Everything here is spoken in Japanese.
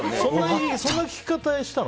そんな聞き方したの？